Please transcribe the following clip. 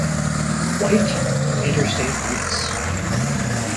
White: Interstate Routes.